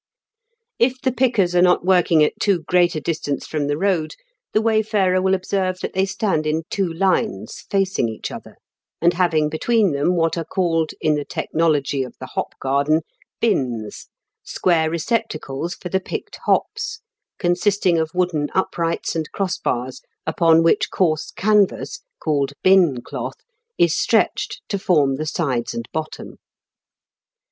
If the pickers are not working at too great a distance from the road, the wayfarer will observe that they stand in two lines, facing each other, and having between them what are called, in the technology of the hop garden, binns," square receptacles for the picked hops^ consisting of wooden uprights and cross bars^ upon which coarse canvas, called " binn cloth,'^ is stretched to form the sides and bottom.